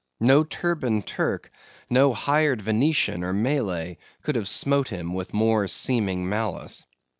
No turbaned Turk, no hired Venetian or Malay, could have smote him with more seeming malice.